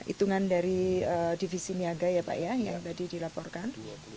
hitungan dari divisi niaga ya pak ya yang tadi dilaporkan